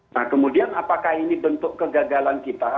nah kemudian apakah ini bentuk kegagalan kita